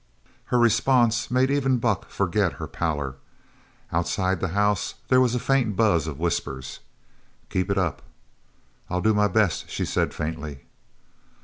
Her response made even Buck forget her pallor. Outside the house there was a faint buzz of whispers. "Keep it up!" "I'll do my best," she said faintly.